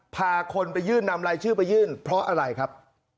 พาคนไปยื่นนำรายชื่อไปยื่นเพราะอะไรครับ